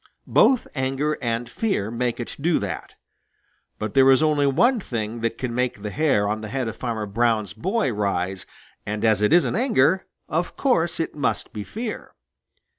Both anger and fear make it do that. But there is only one thing that can make the hair on the head of Farmer Brown's boy rise, and as it isn't anger, of course it must be fear.